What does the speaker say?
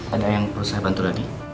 ada yang perlu saya bantu tadi